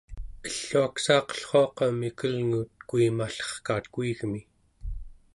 elluaksaaqellruaqa mikelnguut kuimallerkaat kuigmi